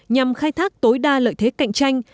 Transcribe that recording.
nhằm khai thác tối đa lợi thế cạnh tranh